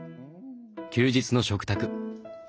休日の食卓。